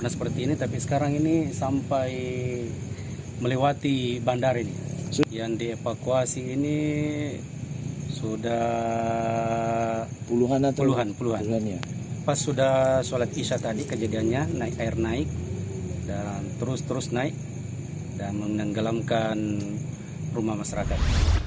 sudah puluhan pas sudah sholat isya tadi kejadiannya air naik dan terus terus naik dan menggelamkan rumah masyarakat